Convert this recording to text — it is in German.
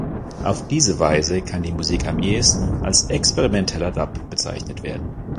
Auf diese Weise kann die Musik am ehesten als experimenteller Dub bezeichnet werden.